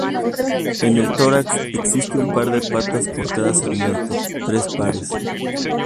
En el tórax existe un par de patas por cada segmento, tres pares.